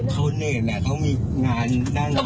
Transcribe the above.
เขาเน่นแหละเขามีงานหน้างาน